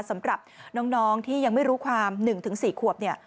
สำหรับน้องที่ยังไม่รู้ความ๑๔ขวบเนี่ย